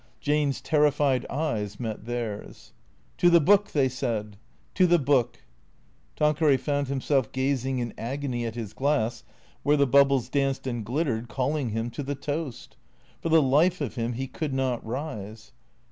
Jane's terrified eyes met theirs. " To the Book !" they said. " To the Book !" Tanqueray found himself gazing in agony at his glass where the bubbles danced and glittered, calling him to the toast. For the life of him he could not rise.